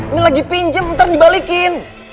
ini lagi pinjem ntar dibalikin